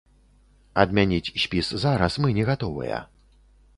Адмяніць спіс зараз мы не гатовыя.